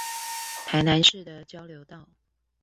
台南市的交流道